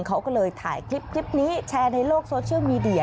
เขาก็เลยถ่ายคลิปนี้แชร์ในโลกโซเชียลมีเดีย